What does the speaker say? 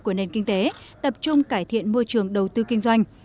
của nền kinh tế tập trung cải thiện môi trường đầu tư kinh doanh